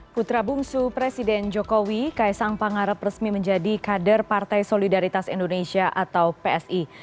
putra bungsu presiden jokowi kaisang pangarep resmi menjadi kader partai solidaritas indonesia atau psi